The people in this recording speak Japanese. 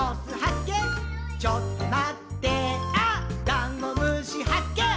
ダンゴムシはっけん